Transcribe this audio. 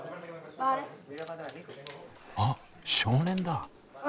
あっ少年だ！